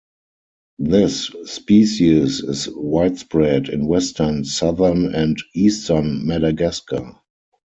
This species is widespread in western, southern, and eastern Madagascar.